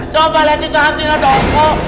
coba lihat itu hantunya dong